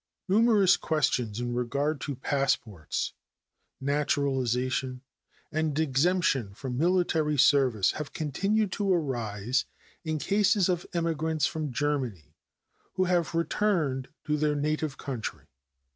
Numerous questions in regard to passports, naturalization, and exemption from military service have continued to arise in cases of emigrants from Germany who have returned to their native country.